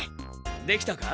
できたか？